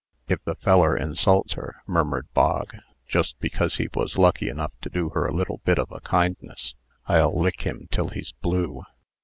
"If the feller insults her," murmured Bog, "just because he was lucky enough to do her a little bit of a kindness, I'll lick him till he's blue."